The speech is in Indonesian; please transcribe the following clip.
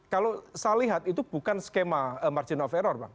kalau saya lihat itu bukan skema margin of error bang